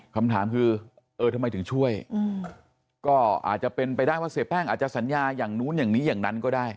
คำถามคือเออทำไมถึงช่วยก็อาจจะเป็นไปได้ว่าเสียแป้งอาจจะสัญญาอย่างนู้นอย่างนี้อย่างนั้นก็ได้